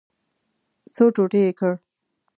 څو ټوټې یې کړ.